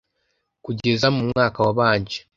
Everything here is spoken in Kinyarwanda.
Kugeza mu mwaka wabanje